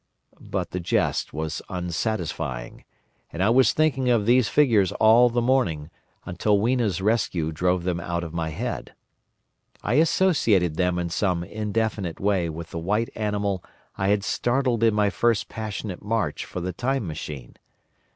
But the jest was unsatisfying, and I was thinking of these figures all the morning, until Weena's rescue drove them out of my head. I associated them in some indefinite way with the white animal I had startled in my first passionate search for the Time Machine.